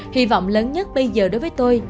hy vọng lớn nhất bây giờ đối với tôi